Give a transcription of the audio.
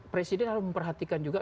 presiden harus memperhatikan juga